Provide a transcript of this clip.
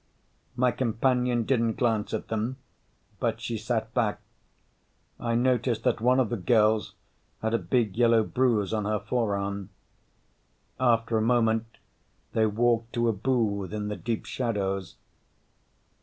My companion didn't glance at them, but she sat back. I noticed that one of the girls had a big yellow bruise on her forearm. After a moment they walked to a booth in the deep shadows.